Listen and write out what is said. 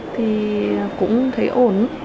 thì cũng thấy ổn